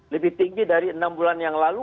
lebih tinggi dari enam bulan yang lalu